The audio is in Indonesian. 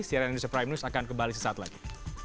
cnn indonesia prime news akan kembali sesaat lagi